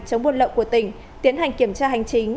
chống buôn lậu của tỉnh tiến hành kiểm tra hành chính